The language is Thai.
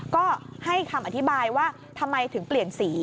ก็ให้คำอธิบายว่าทำไมถึงเปลี่ยนสี